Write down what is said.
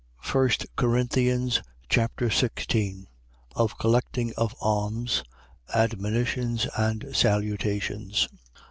1 Corinthians Chapter 16 Of collection of alms. Admonitions and salutations.